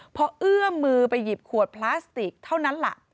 พอเอื้อมมือไปหยิบขวดพลาสติกเท่านั้นล่ะ